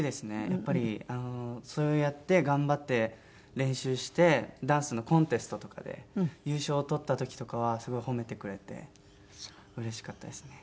やっぱりそうやって頑張って練習してダンスのコンテストとかで優勝をとった時とかはすごい褒めてくれてうれしかったですね。